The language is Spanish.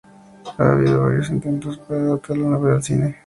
Ha habido varios intentos para adaptar la novela al cine.